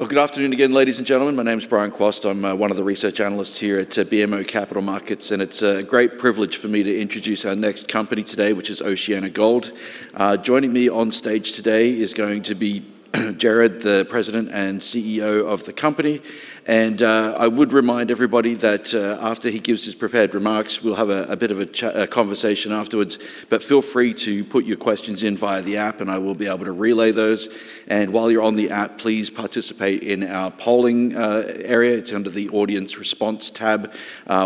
Well, good afternoon again, ladies and gentlemen. My name is Brian Quast. I'm one of the research analysts here at BMO Capital Markets, and it's a great privilege for me to introduce our next company today, which is OceanaGold. Joining me on stage today is going to be Gerard, the President and CEO of the company. I would remind everybody that after he gives his prepared remarks, we'll have a bit of a conversation afterwards. Feel free to put your questions in via the app, and I will be able to relay those. While you're on the app, please participate in our polling area. It's under the Audience Response tab.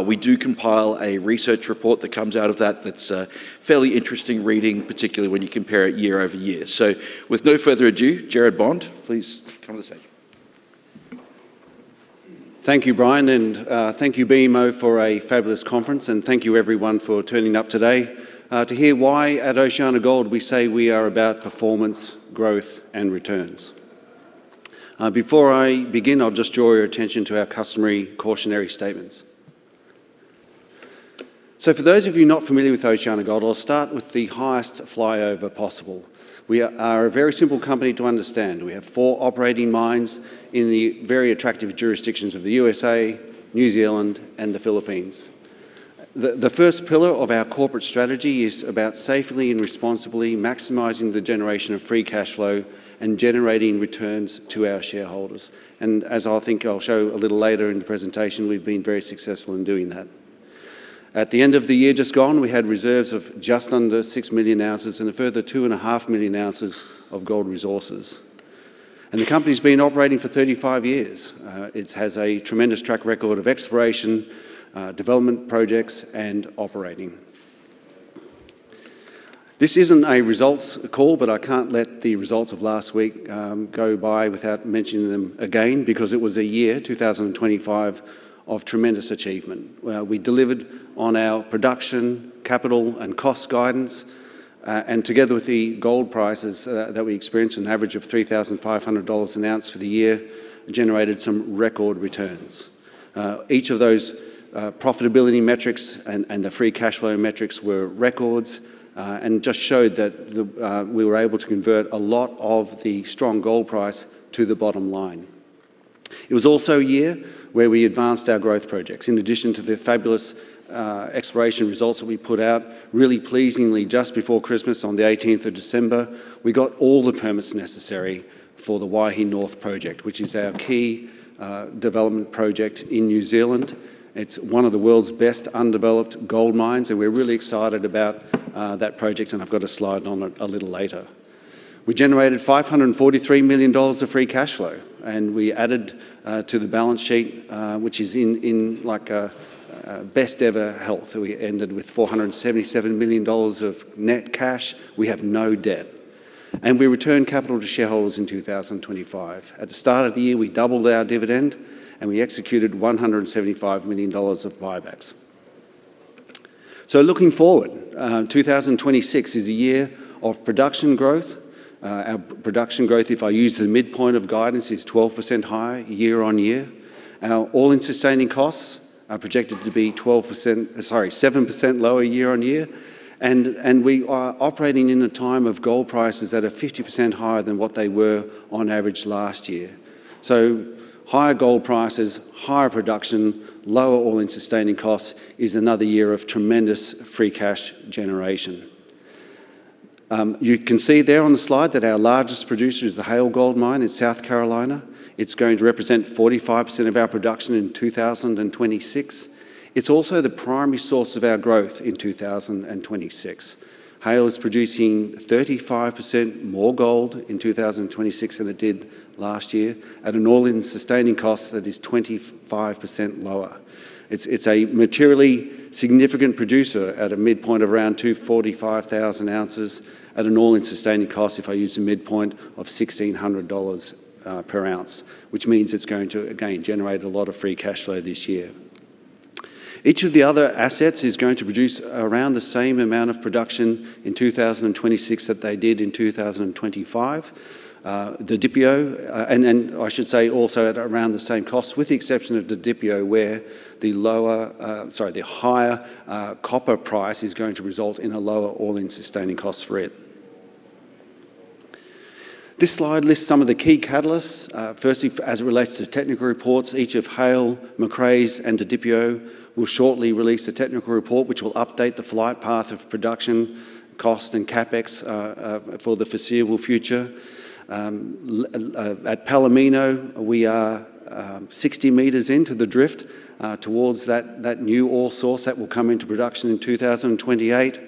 We do compile a research report that comes out of that's a fairly interesting reading, particularly when you compare it year-over-year. With no further ado, Gerard Bond, please come to the stage. Thank you, Brian. Thank you, BMO, for a fabulous conference. Thank you everyone for turning up today to hear why at OceanaGold, we say we are about performance, growth, and returns. Before I begin, I'll just draw your attention to our customary cautionary statements. For those of you not familiar with OceanaGold, I'll start with the highest flyover possible. We are a very simple company to understand. We have four operating mines in the very attractive jurisdictions of the USA, New Zealand, and the Philippines. The first pillar of our corporate strategy is about safely and responsibly maximizing the generation of free cash flow and generating returns to our shareholders. As I think I'll show a little later in the presentation, we've been very successful in doing that. At the end of the year just gone, we had reserves of just under 6 million ounces and a further 2.5 million ounces of gold resources. The company's been operating for 35 years. It has a tremendous track record of exploration, development projects, and operating. This isn't a results call, but I can't let the results of last week go by without mentioning them again, because it was a year, 2025, of tremendous achievement, where we delivered on our production, capital, and cost guidance, and together with the gold prices that we experienced, an average of $3,500 an ounce for the year, generated some record returns. Each of those profitability metrics and the free cash flow metrics were records and just showed that we were able to convert a lot of the strong gold price to the bottom line. It was also a year where we advanced our growth projects. In addition to the fabulous exploration results that we put out, really pleasingly, just before Christmas, on the 18th of December, we got all the permits necessary for the Waihi North Project, which is our key development project in New Zealand. It's one of the world's best undeveloped gold mines, and we're really excited about that project, and I've got a slide on it a little later. We generated $543 million of free cash flow, and we added to the balance sheet, which is in, like, a best-ever health. We ended with $477 million of net cash. We have no debt. We returned capital to shareholders in 2025. At the start of the year, we doubled our dividend, and we executed $175 million of buybacks. Looking forward, 2026 is a year of production growth. Our production growth, if I use the midpoint of guidance, is 12% higher year-on-year. Our all-in sustaining costs are projected to be 12%, sorry, 7% lower year-on-year. We are operating in a time of gold prices that are 50% higher than what they were on average last year. Higher gold prices, higher production, lower all-in sustaining costs is another year of tremendous free cash generation. You can see there on the slide that our largest producer is the Haile Gold Mine in South Carolina. It's going to represent 45% of our production in 2026. It's also the primary source of our growth in 2026. Haile is producing 35% more gold in 2026 than it did last year at an all-in sustaining cost that is 25% lower. It's a materially significant producer at a midpoint of around 245,000 ounces at an all-in sustaining cost, if I use a midpoint, of $1,600 per ounce, which means it's going to, again, generate a lot of free cash flow this year. Each of the other assets is going to produce around the same amount of production in 2026 that they did in 2025. The Didipio, I should say also at around the same cost, with the exception of the Didipio, where the lower, sorry, the higher copper price is going to result in a lower all-in sustaining cost for it. This slide lists some of the key catalysts. Firstly, as it relates to technical reports, each of Haile, Macraes, and the Didipio will shortly release a technical report, which will update the flight path of production, cost, and CapEx for the foreseeable future. At Palomino, we are 60 meters into the drift towards that new ore source that will come into production in 2028.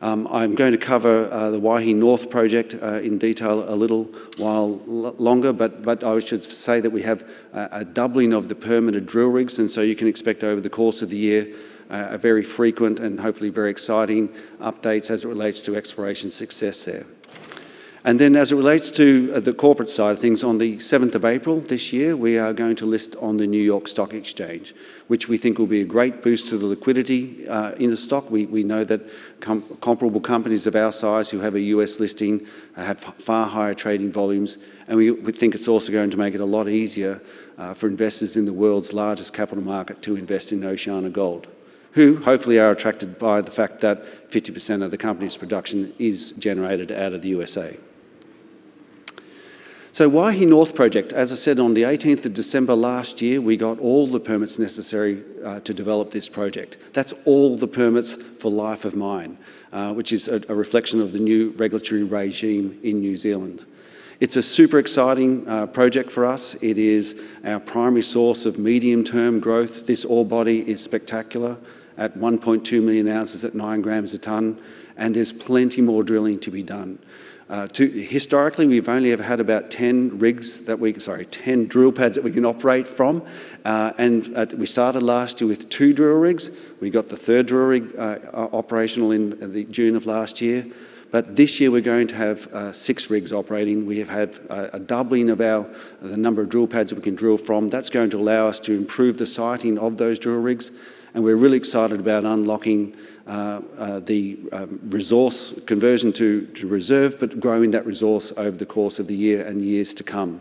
I'm going to cover the Waihi North Project in detail a little while longer, but I should say that we have a doubling of the permitted drill rigs. You can expect over the course of the year a very frequent and hopefully very exciting updates as it relates to exploration success there. As it relates to the corporate side of things, on the seventh of April this year, we are going to list on the New York Stock Exchange, which we think will be a great boost to the liquidity in the stock. We know that comparable companies of our size who have a U.S. listing have far higher trading volumes, and we think it's also going to make it a lot easier for investors in the world's largest capital market to invest in OceanaGold, who hopefully are attracted by the fact that 50% of the company's production is generated out of the USA. Waihi North Project, as I said, on the 18th of December last year, we got all the permits necessary to develop this project. That's all the permits for life of mine, which is a reflection of the new regulatory regime in New Zealand. It's a super exciting project for us. It is our primary source of medium-term growth. This ore body is spectacular at 1.2 million ounces at 9 grams a ton. There's plenty more drilling to be done. Historically, we've only ever had about 10 drill pads that we can operate from. We started last year with 2 drill rigs. We got the 3rd drill rig operational in the June of last year. This year, we're going to have SIX rigs operating. We have had a doubling of the number of drill pads that we can drill from. That's going to allow us to improve the siting of those drill rigs. We're really excited about unlocking the resource conversion to reserve, growing that resource over the course of the year and years to come.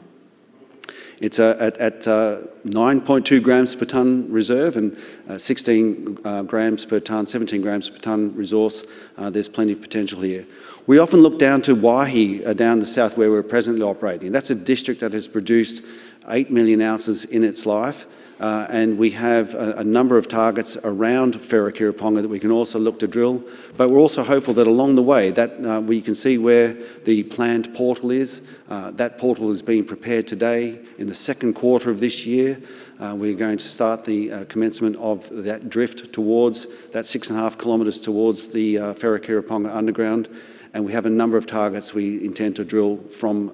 It's at 9.2 grams per tonne reserve and 16 grams per tonne, 17 grams per tonne resource. There's plenty of potential here. We often look down to Waihi, down the south, where we're presently operating. That's a district that has produced 8 million ounces in its life, and we have a number of targets around Wharekirikauponga that we can also look to drill. We're also hopeful that along the way, that we can see where the planned portal is. That portal is being prepared today. In the second quarter of this year, we're going to start the commencement of that drift towards, that 6.5 kilometers towards the Wharekirikauponga underground, and we have a number of targets we intend to drill from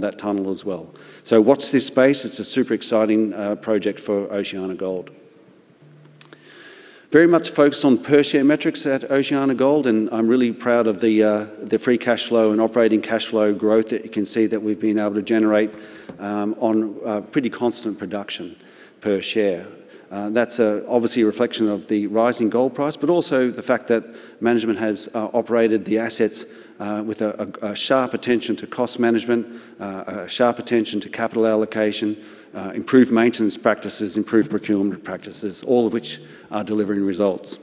that tunnel as well. Watch this space. It's a super exciting project for OceanaGold. Very much focused on per share metrics at OceanaGold. I'm really proud of the free cash flow and operating cash flow growth that you can see that we've been able to generate on pretty constant production per share. That's obviously a reflection of the rising gold price, but also the fact that management has operated the assets with a sharp attention to cost management, a sharp attention to capital allocation, improved maintenance practices, improved procurement practices, all of which are delivering results.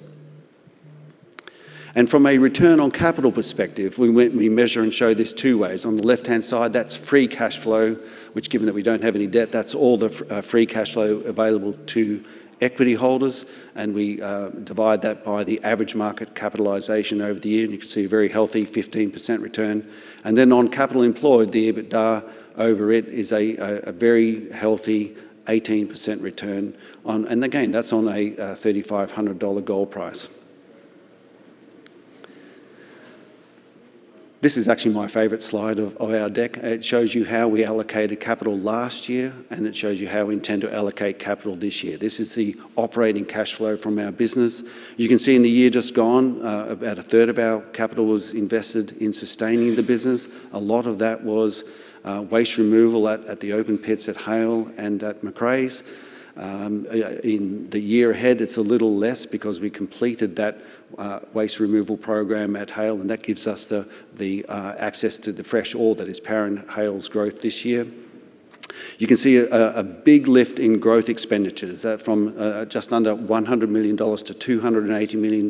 From a return on capital perspective, we measure and show this two ways. On the left-hand side, that's free cash flow, which, given that we don't have any debt, that's all the free cash flow available to equity holders. We divide that by the average market capitalization over the year, and you can see a very healthy 15% return. Then on capital employed, the EBITDA over it is a very healthy 18% return on... Again, that's on a $3,500 gold price. This is actually my favorite slide of our deck. It shows you how we allocated capital last year. It shows you how we intend to allocate capital this year. This is the operating cash flow from our business. You can see in the year just gone, about a third of our capital was invested in sustaining the business. A lot of that was, waste removal at the open pits at Haile and at Macraes. Yeah, in the year ahead, it's a little less because we completed that, waste removal program at Haile, and that gives us the, access to the fresh ore that is powering Haile's growth this year. You can see a, a big lift in growth expenditures, from, just under $100 million-$280 million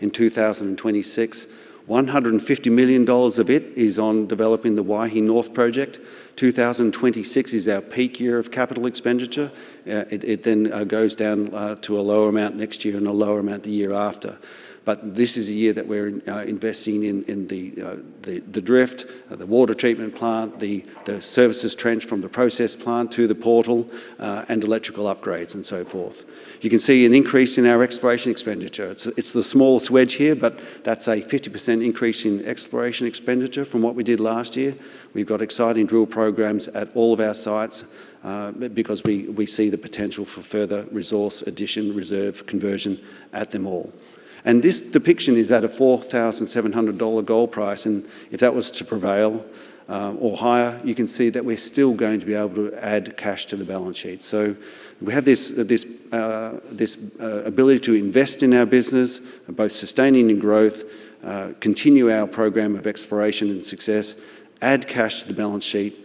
in 2026. $150 million of it is on developing the Waihi North Project. 2026 is our peak year of capital expenditure. It, it then, goes down, to a lower amount next year and a lower amount the year after. This is a year that we're investing in the, the drift, the water treatment plant, the services trench from the process plant to the portal, and electrical upgrades, and so forth. You can see an increase in our exploration expenditure. It's, it's the smallest wedge here, but that's a 50% increase in exploration expenditure from what we did last year. We've got exciting drill programs at all of our sites, because we see the potential for further resource addition, reserve conversion at them all. This depiction is at a $4,700 gold price, and if that was to prevail, or higher, you can see that we're still going to be able to add cash to the balance sheet. We have this ability to invest in our business, both sustaining and growth, continue our program of exploration and success, add cash to the balance sheet,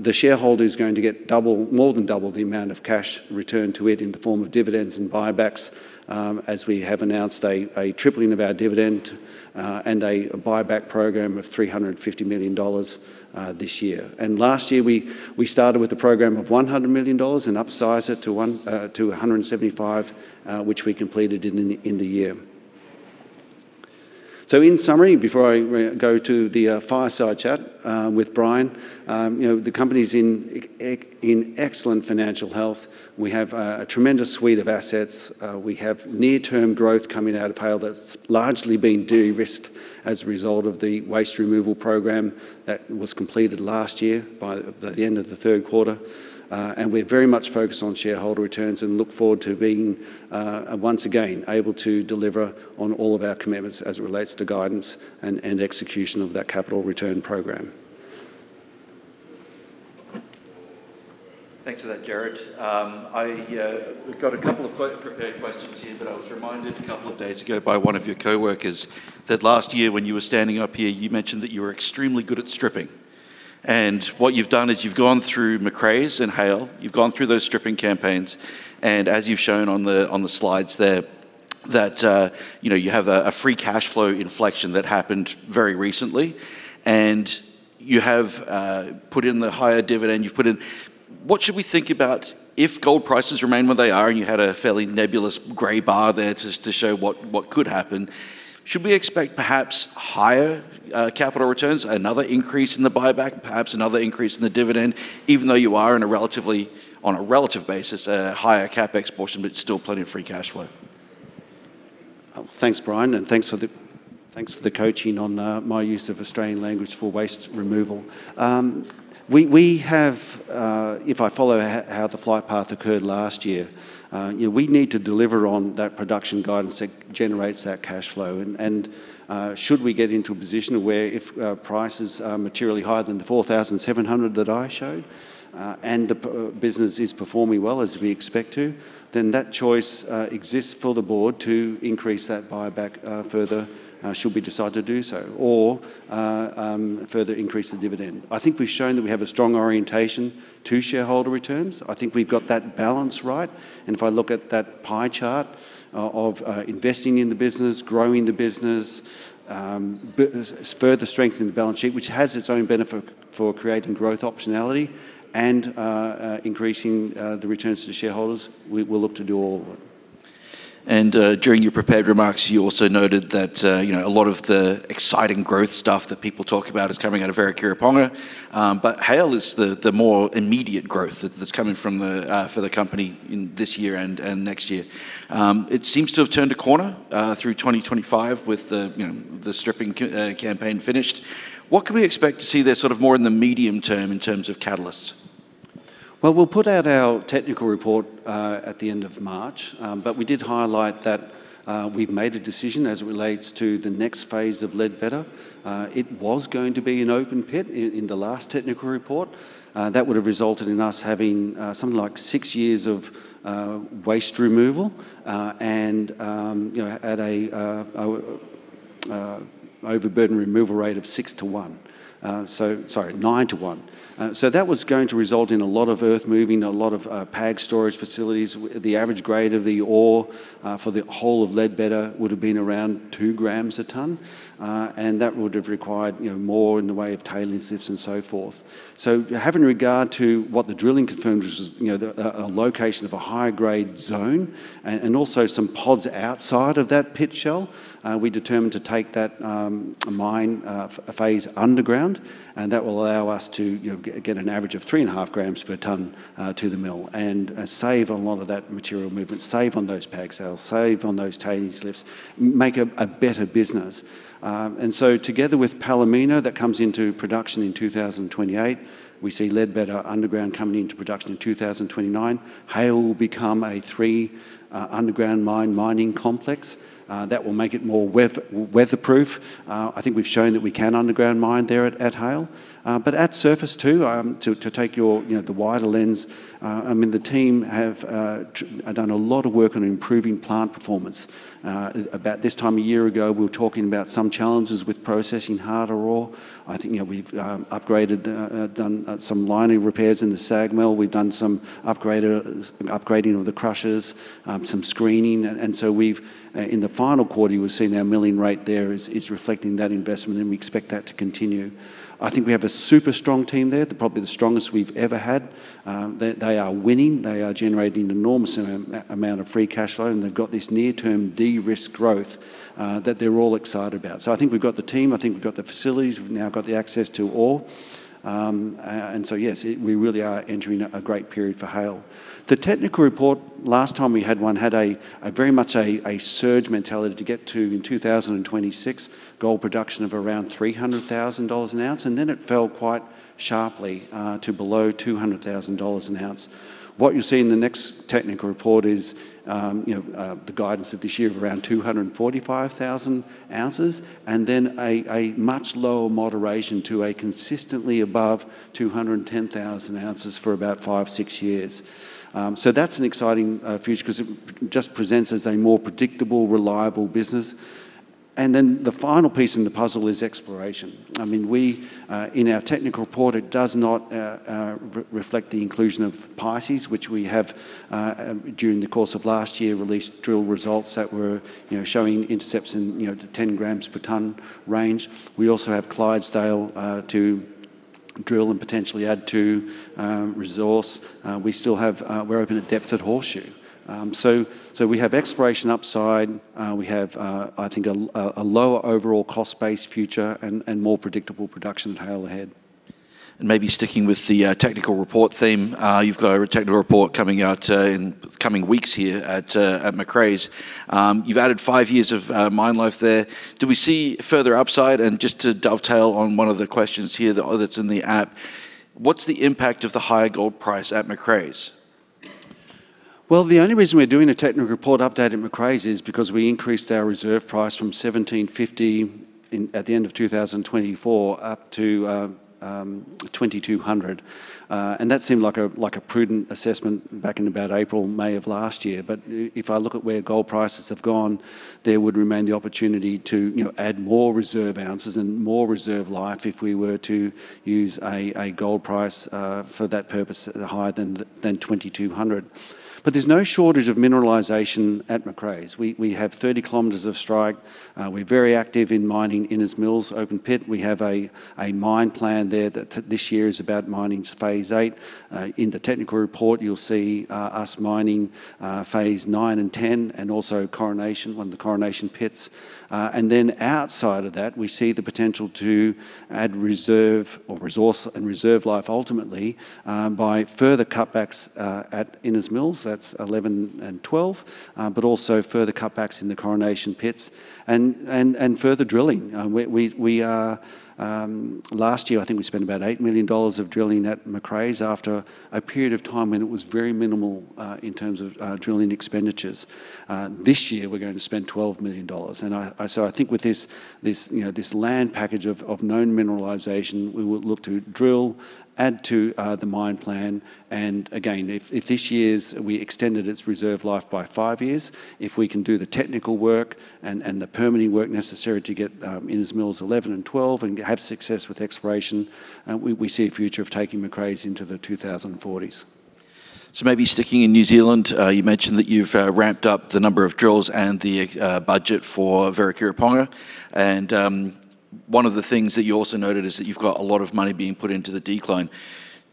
the shareholder is going to get double, more than double the amount of cash returned to it in the form of dividends and buybacks, as we have announced a tripling of our dividend and a buyback program of $350 million this year. Last year, we started with a program of $100 million and upsized it to $175 million, which we completed in the year. In summary, before I go to the fireside chat with Brian, you know, the company's in excellent financial health. We have a tremendous suite of assets. We have near-term growth coming out of Haile that's largely been de-risked as a result of the waste removal program that was completed last year by the end of the third quarter. We're very much focused on shareholder returns and look forward to being once again able to deliver on all of our commitments as it relates to guidance and execution of that capital return program. Thanks for that, Gerard. I we've got a couple of prepared questions here, but I was reminded a couple of days ago by one of your coworkers that last year, when you were standing up here, you mentioned that you were extremely good at stripping. What you've done is you've gone through Macraes and Haile, you've gone through those stripping campaigns, and as you've shown on the, on the slides there that, you know, you have a free cash flow inflection that happened very recently, and you have put in the higher dividend, you've put in. What should we think about if gold prices remain where they are, and you had a fairly nebulous grey bar there just to show what could happen? Should we expect perhaps higher, capital returns, another increase in the buyback, perhaps another increase in the dividend, even though you are in a relatively, on a relative basis, a higher CapEx portion, but still plenty of free cash flow? Well, thanks, Brian, and thanks for the coaching on my use of Australian language for waste removal. We have, if I follow how the flight path occurred last year, you know, we need to deliver on that production guidance that generates that cash flow. Should we get into a position where if prices are materially higher than the $4,700 that I showed, and the business is performing well as we expect to, then that choice exists for the board to increase that buyback further, should we decide to do so, or further increase the dividend. I think we've shown that we have a strong orientation to shareholder returns. I think we've got that balance right, and if I look at that pie chart of investing in the business, growing the business, further strengthening the balance sheet, which has its own benefit for creating growth optionality and increasing the returns to shareholders, we will look to do all of them. During your prepared remarks, you also noted that, you know, a lot of the exciting growth stuff that people talk about is coming out of Wharekirikauponga, but Haile is the more immediate growth that's coming from the company in this year and next year. It seems to have turned a corner, through 2025 with the, you know, the stripping campaign finished. What can we expect to see there sort of more in the medium term in terms of catalysts? Well, we'll put out our technical report at the end of March. We did highlight that we've made a decision as it relates to the next phase of Leadbetter. It was going to be an open pit in the last technical report. That would have resulted in us having something like SIX years of waste removal, and, you know, at our overburden removal rate of 6-1. Sorry, 9-1. That was going to result in a lot of earth moving, a lot of PAG storage facilities. The average grade of the ore for the whole of Leadbetter would have been around 2 grams a tonne, and that would have required, you know, more in the way of tailings lifts and so forth. Having regard to what the drilling confirmed, which was, you know, a location of a higher grade zone and also some pods outside of that pit shell, we determined to take that mine phase underground, and that will allow us to, you know, get an average of 3.5 grams per tonne to the mill and save a lot of that material movement, save on those PAG cells, save on those tailings lifts, make a better business. Together with Palomino, that comes into production in 2028, we see Leadbetter underground coming into production in 2029. Haile will become a 3 underground mine mining complex. That will make it more weatherproof. I think we've shown that we can underground mine there at Haile. But at surface too, to take your, you know, the wider lens, I mean, the team have done a lot of work on improving plant performance. About this time a year ago, we were talking about some challenges with processing harder ore. I think, you know, we've upgraded, done some lining repairs in the SAG mill. We've done some upgrading of the crushers, some screening. So we've in the final quarter, you will see our milling rate there is reflecting that investment, and we expect that to continue. I think we have a super strong team there, the probably the strongest we've ever had. They are winning, they are generating an enormous amount of free cash flow, and they've got this near-term de-risk growth that they're all excited about. I think we've got the team, I think we've got the facilities, we've now got the access to ore. Yes, we really are entering a great period for Haile. The technical report, last time we had one, had a very much a surge mentality to get to in 2026, gold production of around $300,000 an ounce, and then it fell quite sharply, to below $200,000 an ounce. What you see in the next technical report is, you know, the guidance of this year of around 245,000 ounces, and then a much lower moderation to a consistently above 210,000 ounces for about five years, six years. That's an exciting future 'cause it just presents as a more predictable, reliable business. The final piece in the puzzle is exploration. I mean, we, in our technical report, it does not reflect the inclusion of Pisces, which we have, during the course of last year, released drill results that were, you know, showing intercepts in, you know, 10 grams per ton range. We also have Clydesdale to drill and potentially add to resource. We still have, we're open to depth at Horseshoe. We have exploration upside, we have, I think, a lower overall cost base future and more predictable production at Haile ahead. Maybe sticking with the technical report theme, you've got a technical report coming out in the coming weeks here at Macraes. You've added 5 years of mine life there. Do we see further upside? Just to dovetail on one of the questions here that that's in the app, what's the impact of the higher gold price at Macraes? Well, the only reason we're doing a technical report update at Macraes is because we increased our reserve price from $1,750 at the end of 2024, up to $2,200. That seemed like a prudent assessment back in about April, May of last year. If I look at where gold prices have gone. There would remain the opportunity to, you know, add more reserve ounces and more reserve life if we were to use a gold price for that purpose higher than $2,200. There's no shortage of mineralization at Macraes. We have 30 kilometers of strike. We're very active in mining Innes Mills open pit. We have a mine plan there that this year is about mining phase eight. In the technical report, you'll see us mining phase 9 and phase 10, and also Coronation, one of the Coronation pits. Outside of that, we see the potential to add reserve or resource and reserve life ultimately by further cutbacks at Innes Mills, that's 11 and 12, but also further cutbacks in the Coronation pits and further drilling. We are last year, I think we spent about $8 million of drilling at Macraes after a period of time when it was very minimal in terms of drilling expenditures. This year, we're going to spend $12 million, I think with this, you know, this land package of known mineralization, we will look to drill, add to the mine plan. Again, if this year's, we extended its reserve life by five years, if we can do the technical work and the permitting work necessary to get, Innes Mills 11 and 12 and have success with exploration, we see a future of taking Macraes into the 2040s. Maybe sticking in New Zealand, you mentioned that you've ramped up the number of drills and the budget for Wharekirikauponga. One of the things that you also noted is that you've got a lot of money being put into the decline.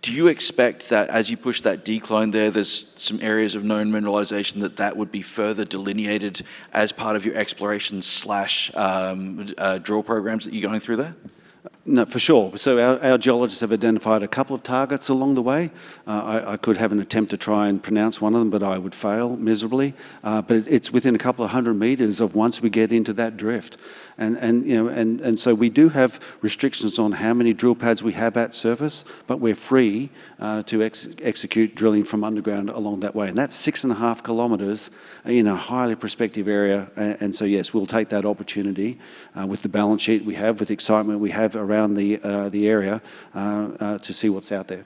Do you expect that as you push that decline there's some areas of known mineralization that would be further delineated as part of your exploration slash drill programs that you're going through there? No, for sure. Our, our geologists have identified a couple of targets along the way. I could have an attempt to try and pronounce one of them, but I would fail miserably. It's within a couple of 100 meters of once we get into that drift. You know, and so we do have restrictions on how many drill pads we have at surface, but we're free, to execute drilling from underground along that way. That's 6.5 kilometers in a highly prospective area. Yes, we'll take that opportunity, with the balance sheet we have, with the excitement we have around the area, to see what's out there.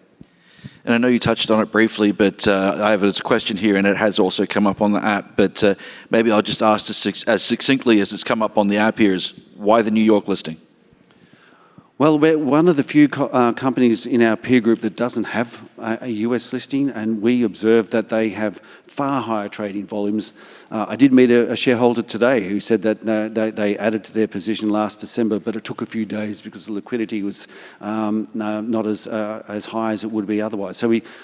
I know you touched on it briefly, but I have a question here, and it has also come up on the app. Maybe I'll just ask this as succinctly as it's come up on the app here is: Why the New York listing? We're one of the few companies in our peer group that doesn't have a U.S. listing, and we observe that they have far higher trading volumes. I did meet a shareholder today who said that they added to their position last December, but it took a few days because the liquidity was not as high as it would be otherwise.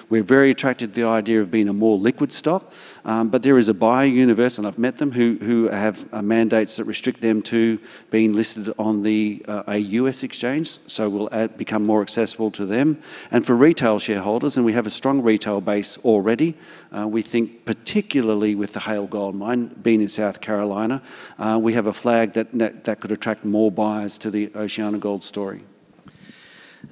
We're very attracted to the idea of being a more liquid stock. There is a buying universe, and I've met them, who have mandates that restrict them to being listed on a U.S. exchange, so we'll become more accessible to them. For retail shareholders, and we have a strong retail base already, we think, particularly with the Haile Gold Mine being in South Carolina, we have a flag that could attract more buyers to the OceanaGold story.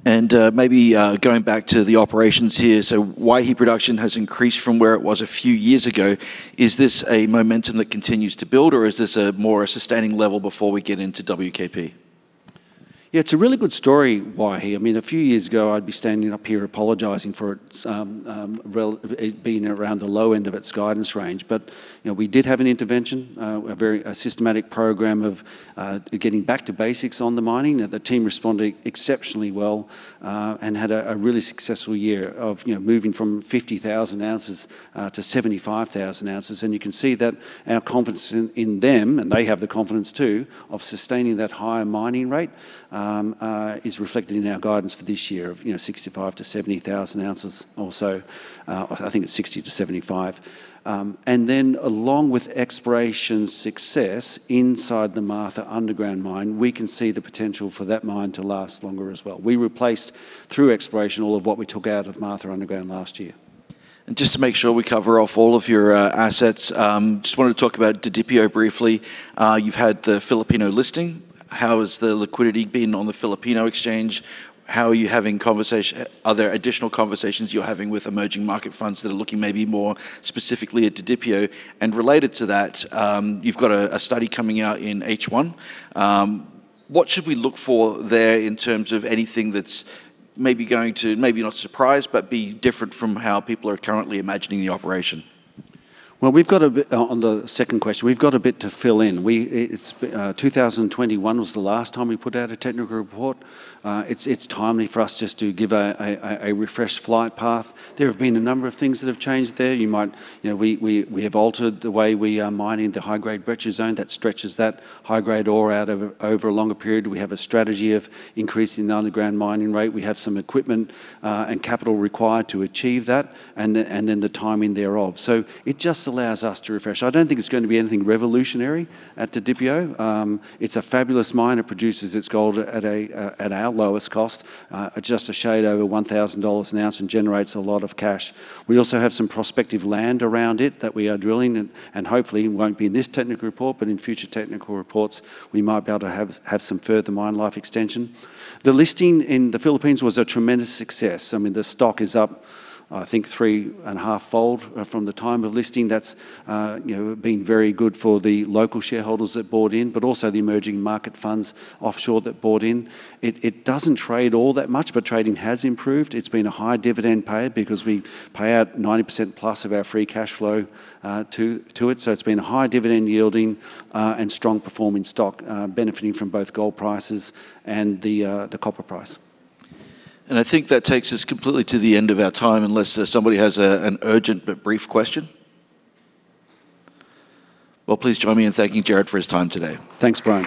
Maybe, going back to the operations here, so Waihi production has increased from where it was a few years ago. Is this a momentum that continues to build, or is this a more a sustaining level before we get into WKP? It's a really good story, Waihi. I mean, a few years ago, I'd be standing up here apologising for its it being around the low end of its guidance range. You know, we did have an intervention, a very systematic program of getting back to basics on the mining. The team responded exceptionally well and had a really successful year of, you know, moving from 50,000 ounces to 75,000 ounces. You can see that our confidence in them, and they have the confidence, too, of sustaining that higher mining rate is reflected in our guidance for this year of, you know, 65,000-70,000 ounces or so. I think it's 60 to 75. Along with exploration success inside the Martha Underground mine, we can see the potential for that mine to last longer as well. We replaced, through exploration, all of what we took out of Martha Underground last year. Just to make sure we cover off all of your assets, just wanted to talk about Didipio briefly. You've had the Filipino listing. How has the liquidity been on the Filipino exchange? How are you having additional conversations you're having with emerging market funds that are looking maybe more specifically at Didipio? Related to that, you've got a study coming out in H1. What should we look for there in terms of anything that's maybe going to, maybe not surprise, but be different from how people are currently imagining the operation? We've got a bit on the second question, we've got a bit to fill in. 2021 was the last time we put out a technical report. It's timely for us just to give a refreshed flight path. There have been a number of things that have changed there. You might, you know, we have altered the way we are mining the high-grade breccia zone. That stretches that high-grade ore out over a longer period. We have a strategy of increasing the underground mining rate. We have some equipment and capital required to achieve that, and then the timing thereof. It just allows us to refresh. I don't think it's going to be anything revolutionary at Didipio. It's a fabulous mine. It produces its gold at our lowest cost, just a shade over $1,000 an ounce, and generates a lot of cash. We also have some prospective land around it that we are drilling. Hopefully won't be in this technical report, in future technical reports, we might be able to have some further mine life extension. The listing in the Philippines was a tremendous success. I mean, the stock is up, I think, 3.5-fold from the time of listing. That's, you know, been very good for the local shareholders that bought in. Also the emerging market funds offshore that bought in. It doesn't trade all that much. Trading has improved. It's been a high dividend payer because we pay out 90% plus of our free cash flow to it. It's been a high dividend yielding, and strong-performing stock, benefiting from both gold prices and the copper price. I think that takes us completely to the end of our time, unless somebody has an urgent but brief question? Please join me in thanking Gerard for his time today. Thanks, Brian.